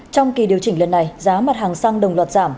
trong kỳ điều chỉnh lần này giá mặt hàng xăng đồng loạt giảm